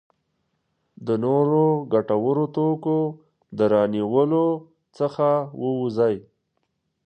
د نورو ګټورو توکو د رانیولو څخه ووځي.